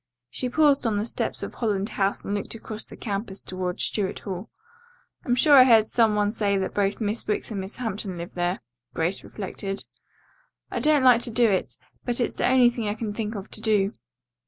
She paused on the steps of Holland House and looked across the campus toward Stuart Hall. "I'm sure I heard some one say that both Miss Wicks and Miss Hampton live there," Grace reflected. "I don't like to do it, but it's the only thing I can think of to do."